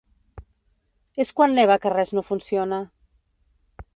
És quan neva que res no funciona.